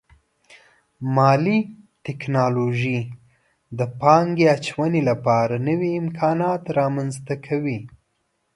مالي ټکنالوژي د پانګې اچونې لپاره نوي امکانات رامنځته کوي.